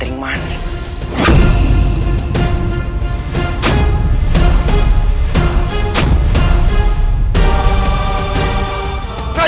aku ingin menangkapmu